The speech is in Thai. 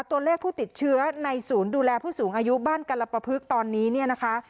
ตัวเลขผู้ติดเชื้อในศูนย์ดูแลผู้สูงอายุบ้านกรปภึกตอนนี้เนี่ยนะคะ